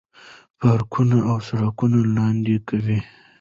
پارکونه او سړکونه لاندې کوي.